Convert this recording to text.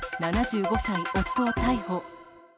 ７５歳夫を逮捕。